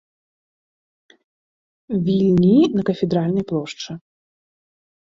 Вільні на кафедральнай плошчы.